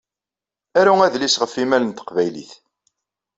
Aru adlis ɣef imal n teqbaylit.